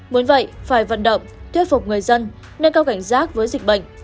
muốn vậy phải vận động thuyết phục người dân nâng cao cảnh giác với dịch bệnh